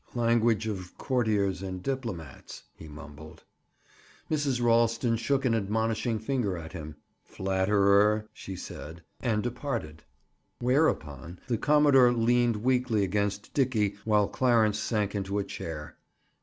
"Language of courtiers and diplomats!" he mumbled. Mrs. Ralston shook an admonishing finger at him. "Flatterer!" she said, and departed. Whereupon the commodore leaned weakly against Dickie while Clarence sank into a chair.